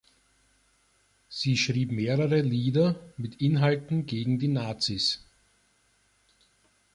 Sie schrieb mehrere Lieder mit Inhalten gegen die Nazis.